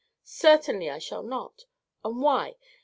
"Certainly I shall not; and why?